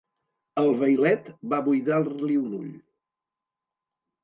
El vailet va buidar-li un ull.